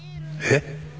えっ⁉